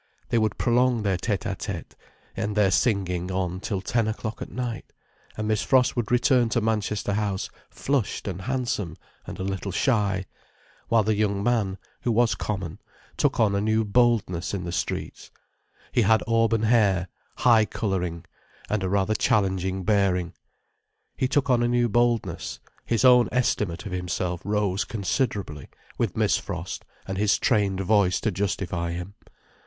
They would prolong their tête à tête and their singing on till ten o'clock at night, and Miss Frost would return to Manchester House flushed and handsome and a little shy, while the young man, who was common, took on a new boldness in the streets. He had auburn hair, high colouring, and a rather challenging bearing. He took on a new boldness, his own estimate of himself rose considerably, with Miss Frost and his trained voice to justify him.